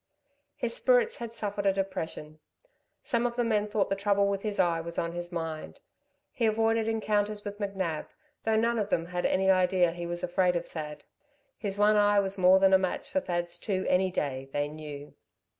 His spirits had suffered a depression. Some of the men thought the trouble with his eyes was on his mind. He avoided encounters with McNab, though none of them had any idea he was afraid of Thad. His one eye was more than a match for Thad's two any day, they knew.